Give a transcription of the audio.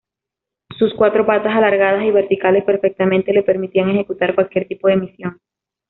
Sus cuatro patas alargadas y verticales perfectamente le permitían ejecutar cualquier tipo de misión.